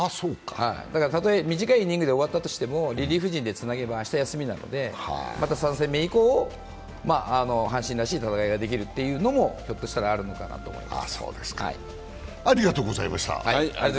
だからたとえ、短いイニングで終わったとしてもリリーフ陣でつなげば明日休みなので、また３戦目以降、阪神らしい戦いができるというのもひょっとしたらあるのかなと思います。